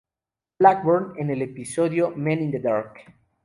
Blackburn en el episodio "Men in the Dark".